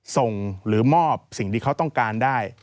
ส่งหรือมอบสิ่งที่เขาต้องการได้